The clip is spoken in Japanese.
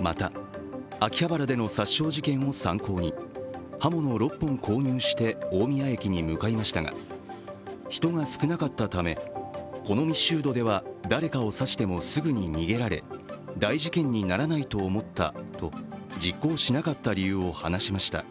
また、秋葉原での殺傷事件も参考に刃物を６本購入して大宮駅に向かいましたが人が少なかったためこの密集度では誰かを指してもすぐに逃げられ、大事件にならないと思ったと実行しなかった理由を話しました。